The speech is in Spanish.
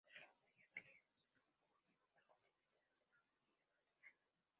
Tras la batalla de Lewes huyó al continente, donde permanecería durante un año.